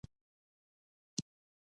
فلسفه څه ته وايي؟